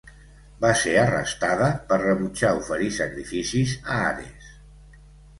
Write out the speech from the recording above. Va ser arrestada per rebutjar oferir sacrificis a Ares.